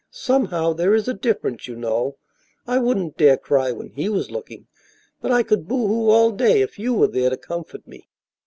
Somehow, there is a difference, you know. I wouldn't dare cry when he was looking, but I could boo hoo all day if you were there to comfort me.